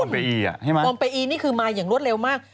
ปอมเปอีนี่คือมาอย่างรวดเร็วมาก